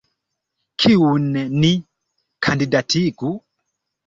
Kiun ni kandidatigu?